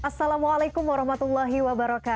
assalamualaikum wr wb